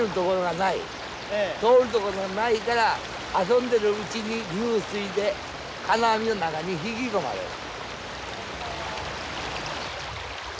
通る所ないから遊んでるうちに流水で金網の中に引き込まれる。